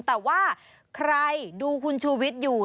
แต่ว่าใครดูคุณชูวิทย์อยู่